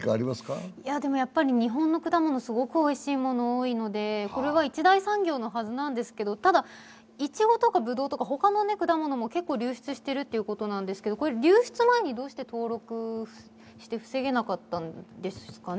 日本の果物、すごくおいしいものが多いので、これは一大産業のはずなんですけど、いちごとかぶどうとか他の果物も結構流出しているということなんですけど流出前にどうして登録して防げなかったんですかね。